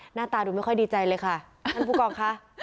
หน้าตาดูไม่ค่อยดีใจเลยค่ะท่านผู้กองค่ะ